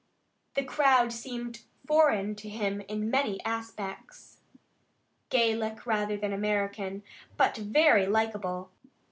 The crowd seemed foreign to him in many aspects, Gallic rather than American, but very likeable.